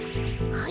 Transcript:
はい。